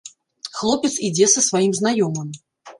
Хлопец ідзе са сваім знаёмым.